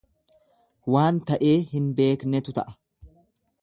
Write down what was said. Waan ta'ee hin beeknetu ta'a.